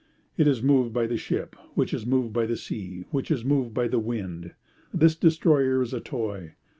It is moved by the ship, which is moved by the sea, which is moved by the wind. This destroyer is a toy.